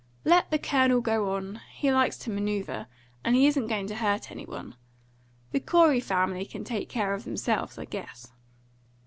Let the Colonel go on! He likes to manoeuvre, and he isn't going to hurt any one. The Corey family can take care of themselves, I guess."